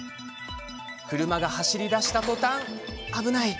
車が走りだしたとたん危ない！